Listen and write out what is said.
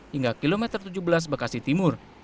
hingga kilometer tujuh belas bekasi timur